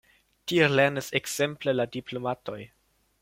Tie lernis ekzemple la diplomatoj.